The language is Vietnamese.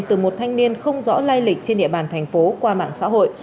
từ một thanh niên không rõ lai lịch trên địa bàn thành phố qua mạng xã hội